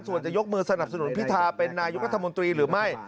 ส่วนจะยกมือสนับสนุนพิธาเป็นนายกรัฐมนตรีหรือไม่